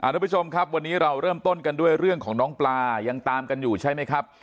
ทุกผู้ชมครับวันนี้เราเริ่มต้นกันด้วยเรื่องของน้องปลายังตามกันอยู่ใช่ไหมครับ